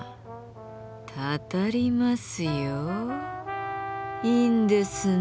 たたりますよいいんですね？